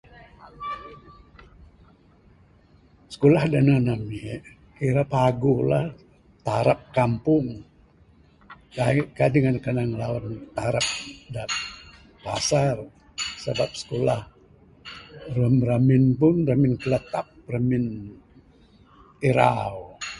Sikulah da nehen ami, kira paguh la, tarap kampung, kaik, kaik dangan kanan ngilawan tarap, da pasar. Sabab sikulah, wang ramin pun, ramin kilatap, ramin irau.